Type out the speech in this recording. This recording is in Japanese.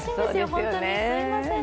本当に、すみませんね。